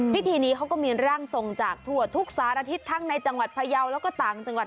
พิธีนี้เขาก็มีร่างทรงจากทั่วทุกสารทิศทั้งในจังหวัดพยาวแล้วก็ต่างจังหวัด